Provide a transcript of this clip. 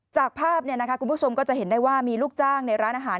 จากภาพคุณผู้ชมก็จะเห็นได้ว่ามีลูกจ้างในร้านอาหาร